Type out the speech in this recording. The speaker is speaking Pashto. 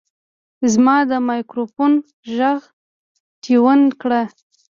ما د مایکروفون غږ ټیون کړ.